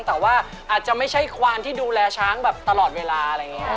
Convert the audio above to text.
แต่ว่าอาจจะไม่ใช่ควารที่ดูแลช้างแบบตลอดเวลา